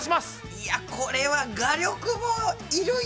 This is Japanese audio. いやこれは画力も要るよ。